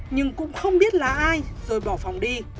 nhưng cũng không biết là ai rồi bỏ phòng đi